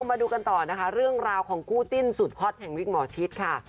มาดูกันต่อนะคะเรื่องราวของคู่จิ้นสุดฮอตแห่งวิกหมอชิดค่ะ